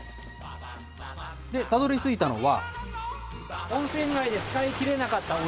たどりついたのは。